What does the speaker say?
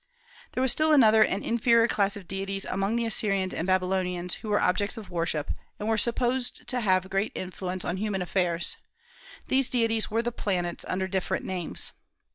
There was still another and inferior class of deities among the Assyrians and Babylonians who were objects of worship, and were supposed to have great influence on human affairs. These deities were the planets under different names.